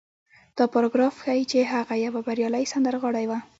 دا پاراګراف ښيي چې هغه يوه بريالۍ سندرغاړې وه.